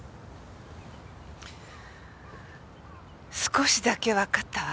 少しだけわかったわ。